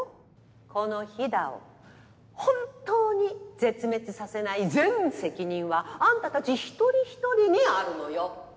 この飛騨を本当に絶滅させない全責任はあんたたち一人一人にあるのよ。